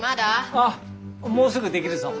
あっもうすぐ出来るぞ。